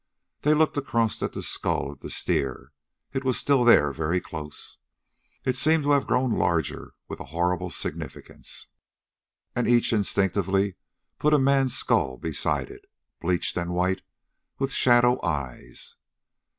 They looked across at the skull of the steer. It was still there, very close. It seemed to have grown larger, with a horrible significance. And each instinctively put a man's skull beside it, bleached and white, with shadow eyes.